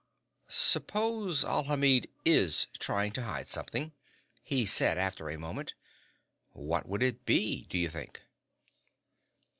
"Suppose Alhamid is trying to hide something," he said after a moment. "What would it be, do you think?"